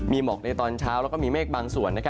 มีหมอกในตอนเช้าแล้วก็มีเมฆบางส่วน